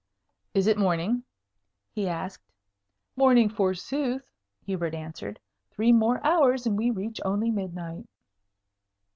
"Is it morning?" he asked. "Morning, forsooth!" Hubert answered. "Three more hours, and we reach only midnight."